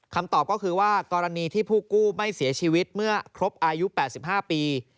คำตอบก็คือว่ากรณีที่ผู้กู้ไม่เสียชีวิตเมื่อครบอายุ๘๕ปี